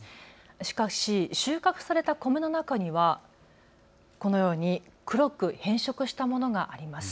しかし収穫された米の中にはこのように黒く変色したものがあります。